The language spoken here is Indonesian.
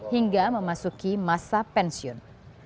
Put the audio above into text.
hingga memasuki masa pensiun